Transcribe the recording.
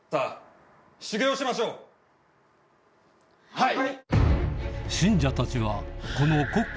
はい！